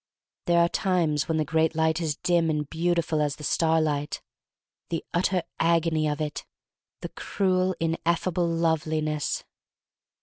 There are times when the great Light is dim and beautiful as the starlight — the utter agony of it — the cruel, ineffable loveliness!